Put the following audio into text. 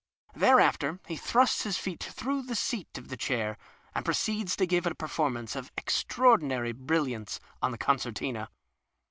Thereafter he thrusts his feet through the seat of the chair and proceeds to give a performance of extra ordinary brilliance on the concertina.